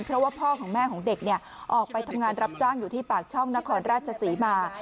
เพราะว่าพ่อของแม่ของเด็กออกไปทำงานรับจ้างอยู่ที่ปากช่องนครราชศรีมา